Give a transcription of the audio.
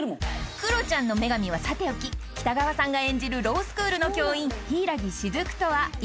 ［クロちゃんの女神はさておき北川さんが演じるロースクールの教員］